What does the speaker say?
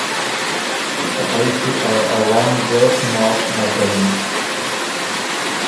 که ا ائ سُو ا عوام ګُده ګه معاف نک کَوِن۔